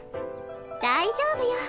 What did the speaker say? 大丈夫よ